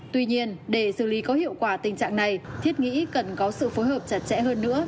tuy nhiên để xử lý có hiệu quả tình trạng này thiết nghĩ cần có sự phối hợp chặt chẽ hơn nữa